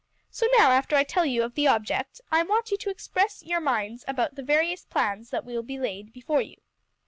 "So now after I tell you of the object, I want you to express your minds about the various plans that will be laid before you."